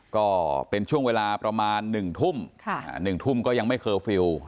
ก็เป็นช่วงเวลาประมาณ๑ทุ่ม๑ทุ่มก็ยังไม่เคอร์ฟิลล์